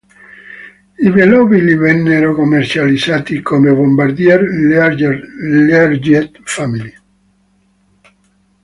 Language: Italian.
I velivoli vennero commercializzati come "Bombardier Learjet Family".